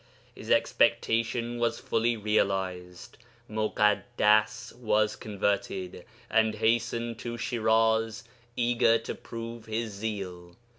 His expectation was fully realized. Muḳaddas was converted, and hastened to Shiraz, eager to prove his zeal.